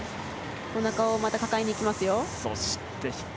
おなかを抱えにいきます。